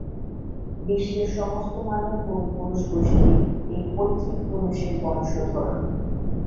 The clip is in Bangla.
বিশ্বের সমস্ত মানব পূর্বপুরুষ গোষ্ঠী এই পৈত্রিক পুরুষের বংশধর।